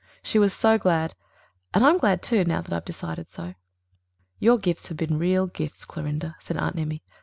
She was so glad and I'm glad, too, now that I've decided so." "Your gifts have been real gifts, Clorinda," said Aunt Emmy.